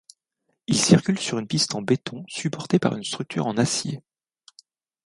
Ils circulent sur une piste en béton supportée par une structure en acier.